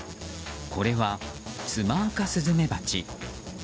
これはツマアカスズメバチ。